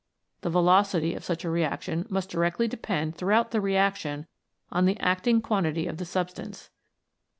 The velocity of such a reaction must directly depend throughout the reaction on the acting quantity of the substance.